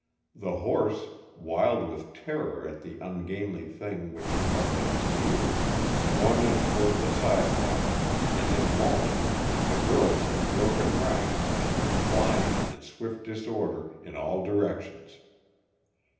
The horse, wild with terror at the ungainly thing which bumped at his heels, swung in toward the sidewalk, and in a moment the girls had broken ranks and were flying, in swift disorder, in all directions.